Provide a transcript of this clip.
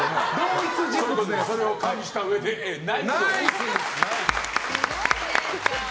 それを加味したうえで、ナイス。